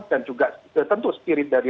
dan juga tentu spirit dari